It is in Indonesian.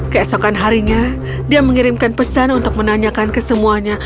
keesokan harinya dia mengirimkan pesan untuk menanyakan ke semuanya